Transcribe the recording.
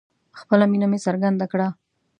خپله مینه مې څرګنده کړه